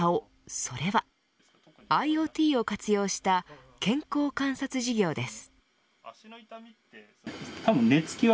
それはＩｏＴを活用した健康観察事業です。